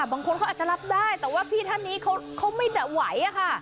บางคนเขาอาจจะรับได้แต่ว่าพี่ท่านนี้เขาไม่แต่ไหวค่ะ